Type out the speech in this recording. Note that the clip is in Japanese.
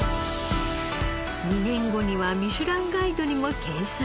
２年後には『ミシュランガイド』にも掲載。